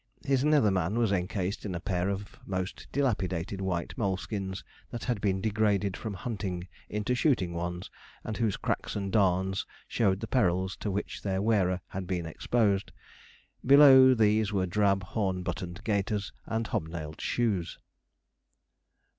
His nether man was encased in a pair of most dilapidated white moleskins, that had been degraded from hunting into shooting ones, and whose cracks and darns showed the perils to which their wearer had been exposed. Below these were drab, horn buttoned gaiters, and hob nailed shoes.